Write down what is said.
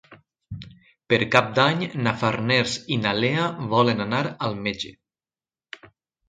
Per Cap d'Any na Farners i na Lea volen anar al metge.